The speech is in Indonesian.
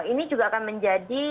ini juga akan menjadi